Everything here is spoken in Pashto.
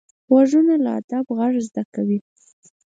غوږونه له ادب غږ زده کوي